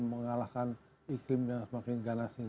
mengalahkan iklim yang semakin ganas ini